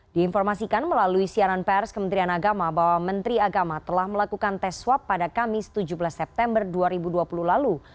diinformasikan melalui siaran pers kementerian agama bahwa menteri agama telah melakukan tes swab pada kamis tujuh belas september dua ribu dua puluh lalu